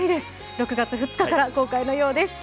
６月２日から公開のようです。